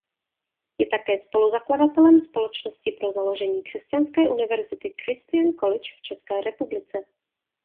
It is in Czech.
Je také spoluzakladatelem společnosti pro založení křesťanské univerzity Christian College v České republice.